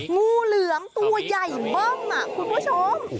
งูเหลือมตัวใหญ่เบิ้มคุณผู้ชม